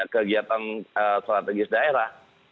kegiatan strategis daerah